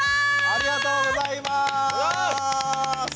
ありがとうございます。